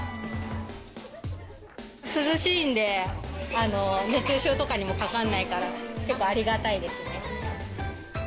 涼しいんで、熱中症とかにもかかんないから、結構ありがたいですね。